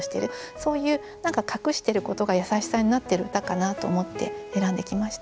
そういう何か隠していることが優しさになってる歌かなと思って選んできました。